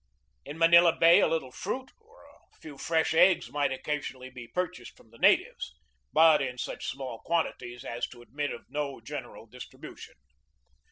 In Manila Bay a little fruit or a few fresh eggs might occasionally be purchased from the natives, but in such small quantities as to admit of no gen eral distribution.